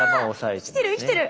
いや生きてる生きてる！